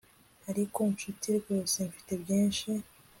ariko nshuti, rwose mfite byinshi